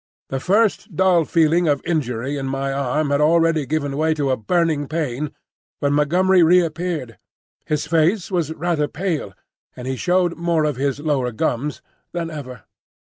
The first dull feeling of injury in my arm had already given way to a burning pain when Montgomery reappeared. His face was rather pale, and he showed more of his lower gums than ever.